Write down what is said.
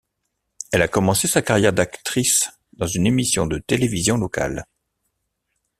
Elle a commencé sa carrière d'actrice dans une émission de télévision locale.